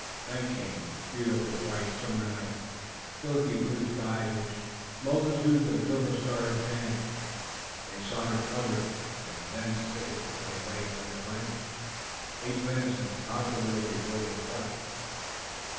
Night came, a beautiful, bright summer night with a silky blue sky in which multitudes of silver stars danced, and they sought a covert in a dense thicket where they lay on their blankets, ate venison, and talked a little before they slept.